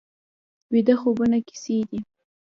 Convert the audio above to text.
ویده خوبونه کیسې دي